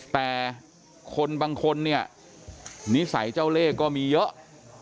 แต่คนบางคนเนี่ยนิสัยเจ้าเลขก็มีเยอะ